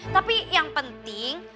tapi yang penting